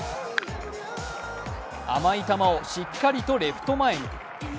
甘い球をしっかりとレフト前に。